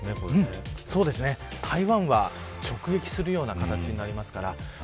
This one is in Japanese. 台湾は直撃するような形になります。